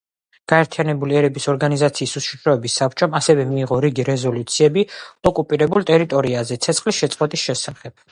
გაერთიანებული ერების ორგანიზაციის უშიშროების საბჭომ ასევე მიიღო რიგი რეზოლუციები ოკუპირებულ ტერიტორიაზე ცეცხლის შეწყვეტის შესახებ.